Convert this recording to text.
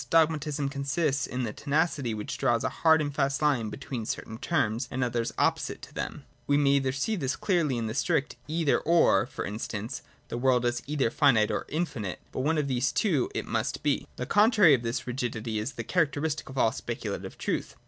Dogmatism consists in the tenacity which draws a hard and fast hne between cer tain terms and others opposite to them. We may see this , clearly in the strict ' Either— or ': for instance, The world is 32, 33 J ONTOLOGY. 67 either finite or infinite ; but one of these two it must be. The contrary of this rigidity is the characteristic of all Speculative truth.